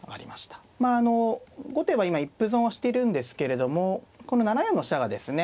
まああの後手は今一歩損をしてるんですけれどもこの７四の飛車がですね